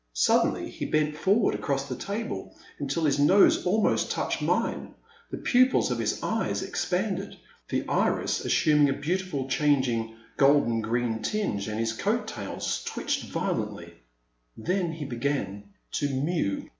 Suddenly he bent forward across the table until his nose almost touched mine. The pupils of his eyes ex J F I I The Man at the Next Table. 367 panded, the iris assuming a beautiful changing golden green tinge, and his coat tails switched violently. Then he began to mew.